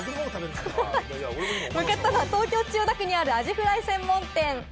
向かったのは東京・千代田区にあるアジフライ専門店。